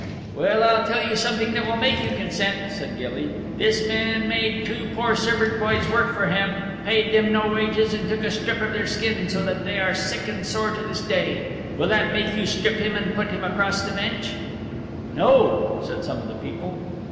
"Well, I'll tell you something that will make you consent," said Gilly. "This man made two poor servant boys work for him, paid them no wages, and took a strip of their skin, so that they are sick and sore to this day. Will that make you strip him and put him across the bench?" "No," said some of the people.